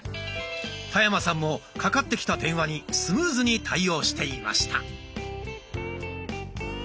田山さんもかかってきた電話にスムーズに対応していました。